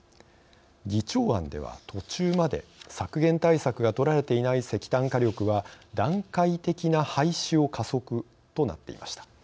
議長案では途中まで削減対策が取られていない石炭火力は段階的な廃止を加速となっていました。